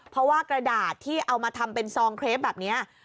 เพราะว่ากระดาษที่เอามาทำเป็นซองเครปแบบนี้